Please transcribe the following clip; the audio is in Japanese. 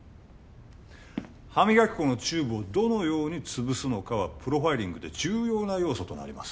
歯磨き粉のチューブをどのように潰すのかはプロファイリングで重要な要素となります